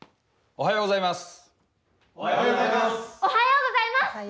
おはようございます。